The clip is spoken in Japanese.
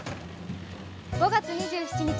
５月２７日